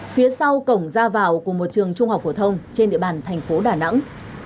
phía sau cổng ra vào của một trường trung học phổ thông trên địa bàn thành phố đà nẵng